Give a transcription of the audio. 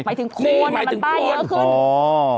หมายถึงโคนมันป้ายเยอะขึ้น